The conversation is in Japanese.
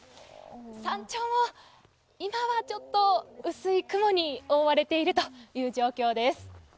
山頂も今はちょっと薄い雲に覆われているという状況です。